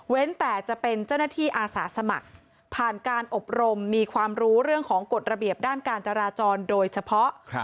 แต่จะเป็นเจ้าหน้าที่อาสาสมัครผ่านการอบรมมีความรู้เรื่องของกฎระเบียบด้านการจราจรโดยเฉพาะ